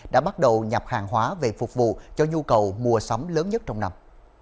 đã bắt đầu nhập hàng hóa về phục vụ cho nhu cầu mua sắm lớn nhất trong năm